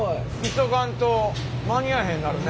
急がんと間に合わへんなるね。